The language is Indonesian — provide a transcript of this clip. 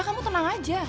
kamu tenang aja